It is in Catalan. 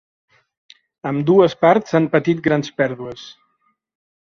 Ambdues parts han patit grans pèrdues.